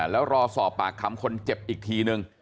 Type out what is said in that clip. แล้วรอสอบปากคำคนเจ็บอีกทีนึง